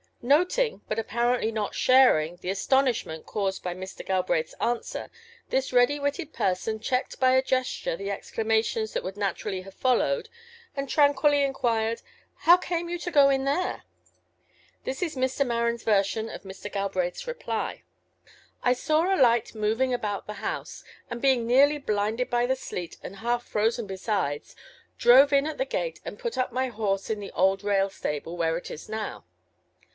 ŌĆØ Noting, but apparently not sharing, the astonishment caused by Mr. GalbraithŌĆÖs answer this ready witted person checked by a gesture the exclamations that would naturally have followed, and tranquilly inquired: ŌĆ£How came you to go in there? ŌĆØ This is Mr. MarenŌĆÖs version of Mr. GalbraithŌĆÖs reply: ŌĆ£I saw a light moving about the house, and being nearly blinded by the sleet, and half frozen besides, drove in at the gate and put up my horse in the old rail stable, where it is now.